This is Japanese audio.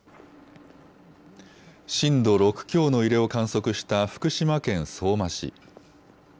震度６強の揺れを観測した福島県相馬市。